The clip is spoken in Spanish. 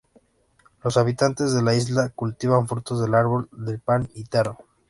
Los habitantes de la isla cultivan frutos del árbol del pan y taro.